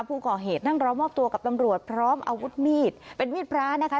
ผู้ก่อเหตุนั่งรอมอบตัวกับตำรวจพร้อมอาวุธมีดเป็นมีดพระนะคะ